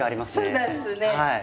そうなんですね。